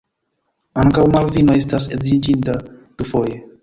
Ankaŭ Malvino estas edziniĝinta dufoje.